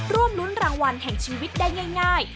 ร่วมรุ้นรางวัลแห่งชีวิตได้ง่าย